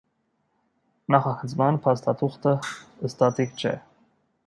Նախագծման փաստաթուղթը ստատիկ չէ։